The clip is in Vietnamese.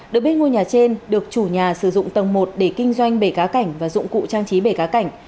được biết ngôi nhà trên được chủ nhà sử dụng tầng một để kinh doanh bề cá cảnh và dụng cụ trang trí bể cá cảnh